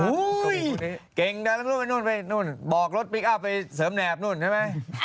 โอ้ยเก่งด้านล่างไปนู่นบอกรถพลิกอัพไปเสริมแนบนู่นใช่ไหม